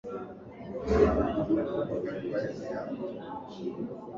Wana wa Israel walipomkataa Kristo na kumsulubisha walitia Muhuri wa uasi wao dhidi